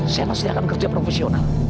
saya pasti akan kerja profesional